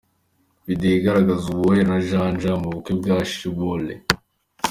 Video igaragaza Uwoya na Janja mu bukwe bwa Shilole.